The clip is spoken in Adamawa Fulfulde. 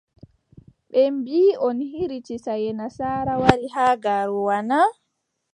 Ɓe mbiʼi on ɗo hiriti saaye nasaara, wari haa Garoua na ?